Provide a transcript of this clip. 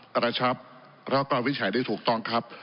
กระชับแล้วก็วิจัยได้ถูกต้องครับ